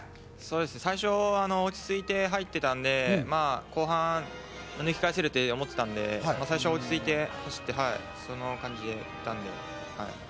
最初、落ち着いた入っていたので、後半は抜き返せるって思ってたので、最初は落ち着いて走って、その感じでいたので、はい。